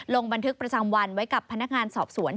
ลงบันทึกประจำวันไว้กับพนักงานสอบสวน